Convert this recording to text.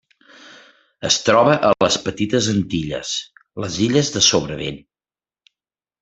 Es troba a les Petites Antilles: les illes de Sobrevent.